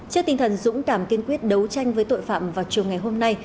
trước tinh thần dũng cảm kiên quyết đấu tranh với tội phạm vào chiều ngày hôm nay